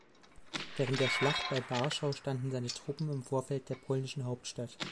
Während der Schlacht bei Warschau standen seine Truppen im Vorfeld der polnischen Hauptstadt.